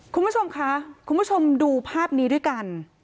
คุณผู้ชมคะคุณผู้ชมดูภาพนี้ด้วยกัน